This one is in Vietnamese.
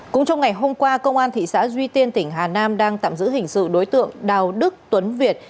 cũng trong ngày hôm qua công an thị xã duy tiên tỉnh hà nam đang tạm giữ hình sự đối tượng đào đức tuấn việt